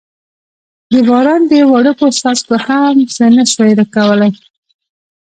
د باران دې وړوکو څاڅکو هم څه نه شوای کولای.